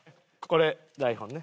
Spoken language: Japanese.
これ台本ね。